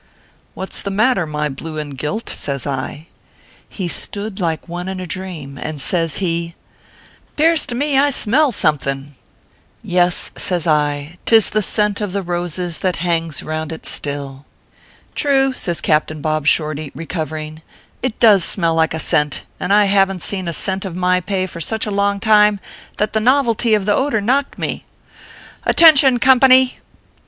" What s the matter, my blue and gilt ?" says I. He stood like one in a dream, and says he : "Tears to me I smell something/ " Yes," says I ;" tis the scent of the roses that hangs round it still/ " True/ says Captain Bob Shorty, recovering, "it does smell like a cent ; and I haven t seen a cent of ORPHEUS C. KERR PAPERS. 327 my pay for such a long time, that the novelty of the odor knocked me. Attention, company